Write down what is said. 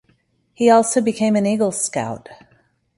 He also became an Eagle Scout.